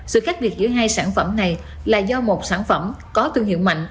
sự khác biệt giữa hai sản phẩm này là do một sản phẩm có thương hiệu mạnh